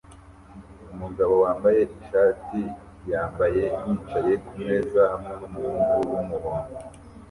Umugabo wambaye ishati yambaye yicaye kumeza hamwe numuhungu wumuhondo